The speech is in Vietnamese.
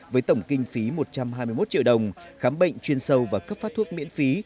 với tổng kinh phí một trăm hai mươi một triệu đồng khám bệnh chuyên sâu và cấp phát thuốc miễn phí